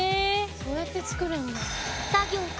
そうやって作るんだ！